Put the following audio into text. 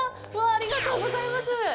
ありがとうございます！